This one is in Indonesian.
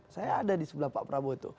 saya ada di sebelah pak prabowo itu